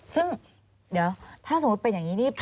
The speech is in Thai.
ซึ่งเดี๋ยวถ้าสมมุติเป็นอย่างนี้นี่